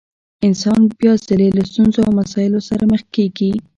انسان بيا ځلې له ستونزو او مسايلو سره مخ کېږي.